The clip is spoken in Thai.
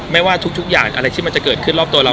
ไม่ว่าทุกอย่างอะไรที่มันจะเกิดขึ้นรอบตัวเรา